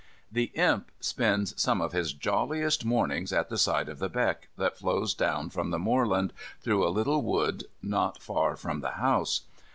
The Imp spends some of his jolliest mornings at the side of the beck, that flows down from the moorland, through a little wood not far from the house.